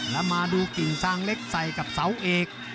แล้วมาดูกิ่งซางเล็กใส่กับเสาเอก